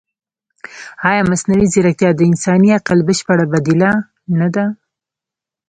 ایا مصنوعي ځیرکتیا د انساني عقل بشپړه بدیله نه ده؟